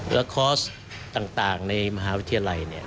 แล้วคอร์สต่างในมหาวิทยาลัย